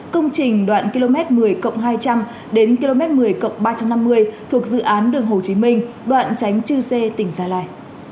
công trình đoạn km một mươi hai trăm linh đến km một mươi ba trăm năm mươi thuộc dự án đường hồ chí minh đoạn tránh chư sê tỉnh gia lai